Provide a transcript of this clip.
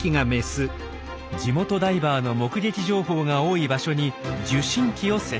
地元ダイバーの目撃情報が多い場所に受信器を設置。